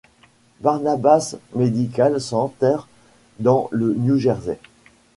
Barnabas Medical Center, dans le New Jersey.